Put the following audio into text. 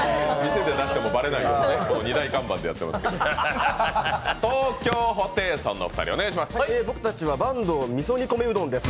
店で出してもバレないよって二枚看板でやってますけど。